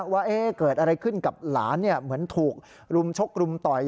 ว่าเกิดอะไรขึ้นกับหลานเหมือนถูกรุมชกรุมต่อย